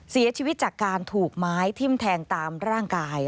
เสียชีวิตจากการถูกไม้ทิ้มแทงตามร่างกาย